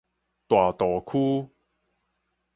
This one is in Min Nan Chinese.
大肚區